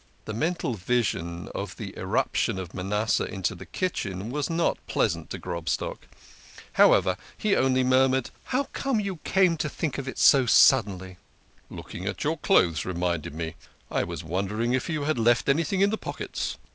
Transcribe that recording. The mental vision of the irruption of Manasseh into the kitchen was not pleasant to Grobstock. However, he only murmured :" How came you to think of it so suddenly?" " Looking at your clothes reminded me. I was wonder ing if you had left anything in the pockets."